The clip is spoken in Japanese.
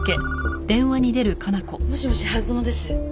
もしもし春薗です。